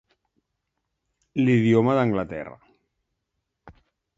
L'idioma d'Anglaterra.